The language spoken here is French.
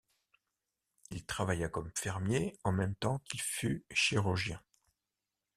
Il travailla comme fermier en même temps qu'il fut chirurgien.